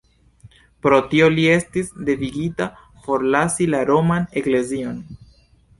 Pro tio li estis devigita forlasi la roman eklezion.